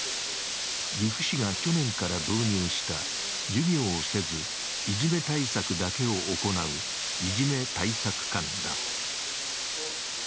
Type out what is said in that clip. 岐阜市が去年から導入した授業をせずいじめ対策だけを行ういじめ対策監だ。